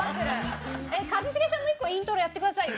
えっ一茂さんも１個イントロやってくださいよ